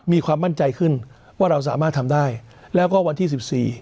มีความมั่นใจขึ้นว่าเราสามารถทำได้แล้วก็วันที่สิบสี่